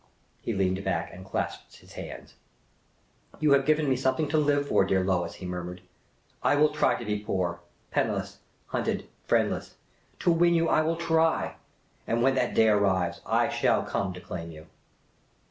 He leaned back and clasped his hands. " You have given me something to live for, dear Lois," he murmured. " I will try to be poor — penniless, hunted, friendless. To win you I will try. And when that day arrives, I shall come to claim you."